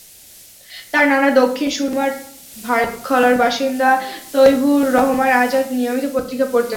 তাঁর নানা দক্ষিণ সুরমার ভার্থখলার বাসিন্দা তৈয়বুর রহমান আজাদ নিয়মিত পত্রিকা পড়তেন।